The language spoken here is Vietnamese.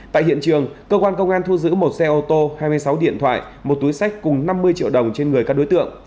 tại hiện trường cơ quan công an thu giữ một xe ô tô hai mươi sáu điện thoại một túi sách cùng năm mươi triệu đồng trên người các đối tượng